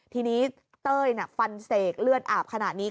ทีนี้เต้ยฟันเสกเลือดอาบขนาดนี้